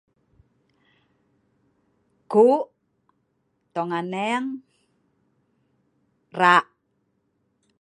Ku'uk tong aneng rak